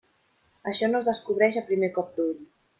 Això no es descobreix a primer cop d'ull.